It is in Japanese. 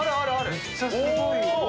めっちゃすごい。